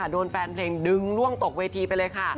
โดนแฟนเพลงดึงล่วงตกเวทีไปเลยค่ะ